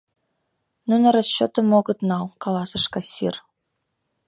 — Нуно расчётым огыт нал, — каласыш кассир.